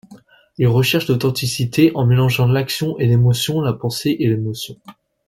Il recherche l'authenticité, en mélangeant l'action & l'émotion, la pensée et l'émotion.